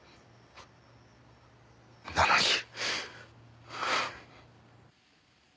なのに。